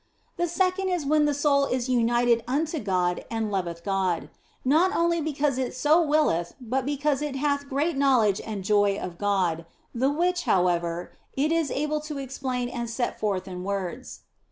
The second is when the soul is united unto God and loveth God ; not only because it so willeth, but because it hath great knowledge and joy of God, the which, how ever, it is able to explain and set forth in words.